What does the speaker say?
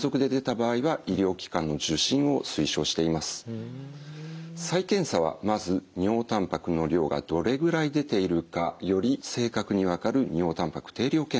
そのため特に再検査はまず尿たんぱくの量がどれぐらい出ているかより正確に分かる尿たんぱく定量検査を行っています。